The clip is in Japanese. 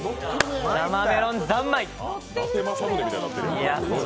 生メロン三昧！